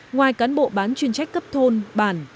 ngoài cán bộ bán chuyên trách cấp thôn bàn